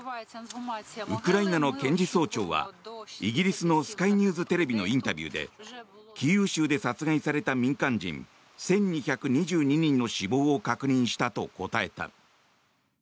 ウクライナの検事総長はイギリスのスカイニューズテレビのインタビューでキーウ州で殺害された民間人１２２２人の死亡を確認したと答えた。